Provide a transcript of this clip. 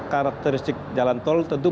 karakteristik jalan tol tentu